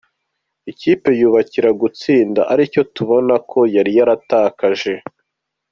Ikipe yubakira ku gutsinda, aricyo tubona ko yari yaratakaje.